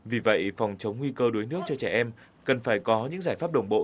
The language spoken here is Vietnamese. vì vậy phòng chống nguy cơ đuối nước cho trẻ em cần phải có những giải pháp đồng bộ